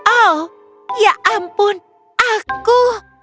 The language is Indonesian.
oh ya ampun aku